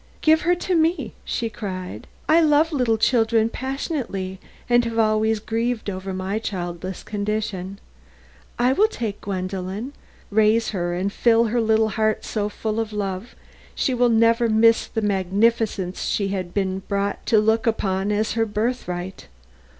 "Give her to me," she cried. "I love little children passionately and have always grieved over my childless condition. I will take Gwendolen, raise her and fill her little heart so full of love she will never miss the magnificence she has been brought to look upon as her birthright.